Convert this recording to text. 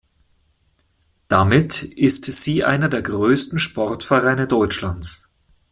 Damit ist sie einer der größten Sportvereine Deutschlands.